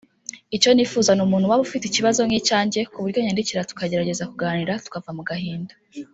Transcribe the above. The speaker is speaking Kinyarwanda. Icyo nifuza ni umuntu waba afite ikibazo nk'icyanjye ku buryo yanyandikira tukagerageza kuganira tukava mu gahinda